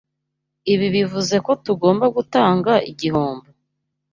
Ibi bivuze ko tugomba gutanga igihombo?